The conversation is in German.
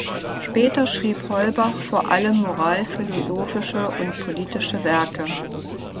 Später schrieb Holbach vor allem moralphilosophische und politische Werke.